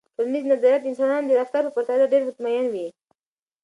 ټولنیز نظریات د انسانانو د رفتار په پرتله ډیر مطمئن وي.